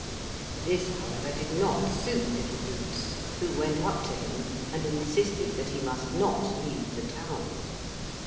This, however, did not suit little boots, who went up to him and insisted that he must not leave the town.